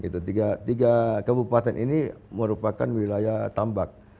tiga kabupaten ini merupakan wilayah tambak